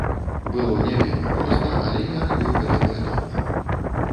Было не вельмі проста, але я рабіў гэта паэтапна.